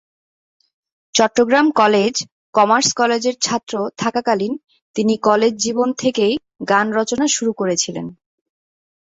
Chittagong college commerce কলেজের ছাত্র থাকাকালীন তিনি কলেজ জীবন থেকেই গান রচনা শুরু করেছিলেন।